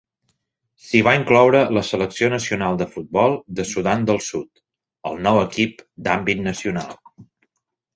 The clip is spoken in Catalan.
S'hi va incloure la selecció nacional de futbol de Sudan del Sud, el nou equip d'àmbit nacional.